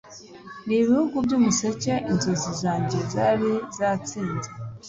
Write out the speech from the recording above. n'ibihugu by'umuseke inzozi zanjye zari zatsinze